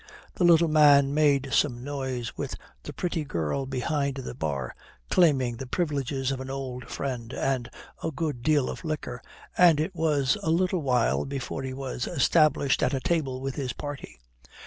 The little man made some noise with the pretty girl behind the bar, claiming the privileges of an old friend and a good deal of liquor, and it was a little while before he was established at a table with his party.